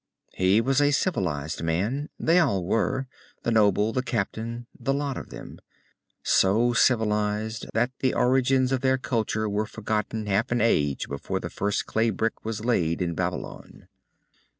He was a civilized man. They all were the noble, the captain, the lot of them. So civilized that the origins of their culture were forgotten half an age before the first clay brick was laid in Babylon.